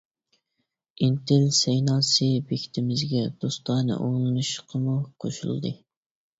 ئىنتىل سەيناسى بېكىتىمىزگە دوستانە ئۇلىنىش قىمۇ قوشۇلدى.